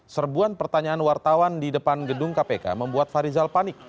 serbuan pertanyaan wartawan di depan gedung kpk membuat farizal panik